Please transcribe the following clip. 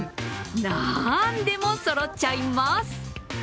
何でもそろっちゃいます。